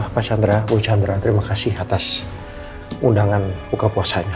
pak chandra bung chandra terima kasih atas undangan buka puasanya